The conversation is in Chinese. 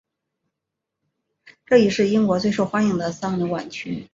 这亦是英国最受欢迎的丧礼挽曲。